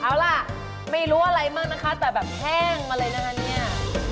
เอาล่ะไม่รู้อะไรมากนะคะแต่แบบแห้งมาเลยนะคะเนี่ย